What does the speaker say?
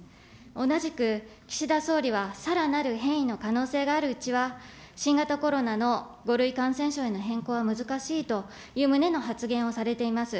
同じく岸田総理はさらなる変異の可能性があるうちは、新型コロナの５類感染症への変更は難しいという旨の発言をされています。